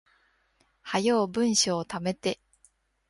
早う文章溜めて